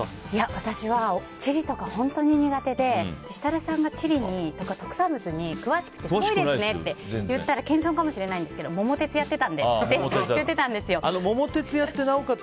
私は、地理とか本当に苦手で設楽さんが地理というか特産物に詳しくてすごいですねって言ったら謙遜かもしれないですけど「桃鉄」やってたんでって「桃鉄」やってなおかつ